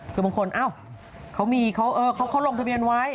คือบางคนเขามีเขาลงทะเบียนไว้